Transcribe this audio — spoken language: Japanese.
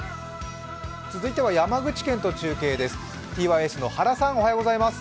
続いては山口県と中継です。